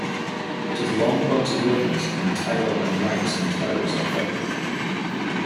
It has long pointed wings and tail and legs and toes are feathered.